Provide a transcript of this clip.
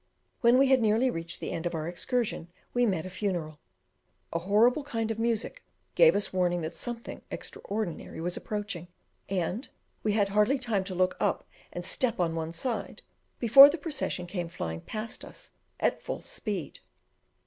When we had nearly reached the end of our excursion, we met a funeral. A horrible kind of music gave us warning that something extraordinary was approaching, and we had hardly time to look up and step on one side, before the procession came flying past us at full speed.